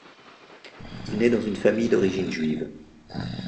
Il naît dans une famille d'origine juive.